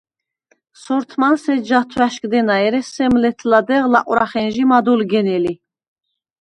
სორთმანს ეჯჟ’ ათვა̈შგდენა, ერე სემ ლეთ-ლადეღ ლაყვრახენჟი მად ოლგენელი.